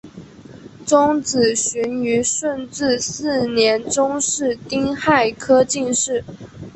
叶子循于顺治四年中式丁亥科进士。